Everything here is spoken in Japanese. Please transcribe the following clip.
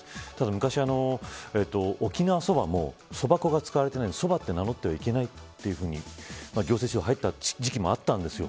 昔、沖縄そばもそば粉が使われていないからそばと名乗ってはいけないと行政指導が入った時期もありました。